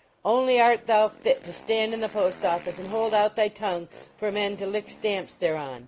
Only art thou fit to stand in the post office and hold out thy tongue for men to lick stamps thereon